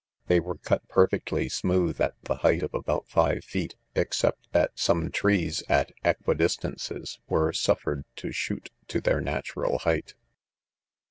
They were cut perfectly smooth at the height of about five feet, except that some trees, at equa distances, Were suffered to shoot to their natural height.